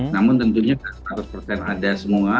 namun tentunya seratus persen ada semua